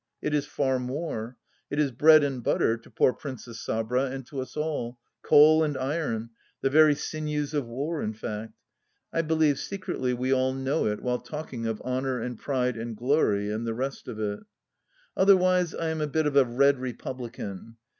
It is far more : it is bread and butter to poor Princess Sabra and to us all ; coal and iron — ^the very sinews of war, in fact. I believe, secretly, we all know it while talking of. Honour and Pride and Glory and the rest of it. Otherwise I am a bit of a Red Republican.